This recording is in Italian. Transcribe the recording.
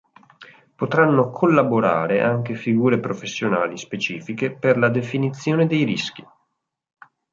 Potranno collaborare anche figure professionali specifiche per la definizione dei rischi.